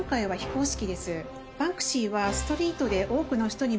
バンクシーは。